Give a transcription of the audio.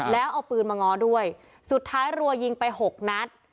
แล้วเอาปืนมาง้อด้วยสุดท้ายรัวยิงไปหกนัด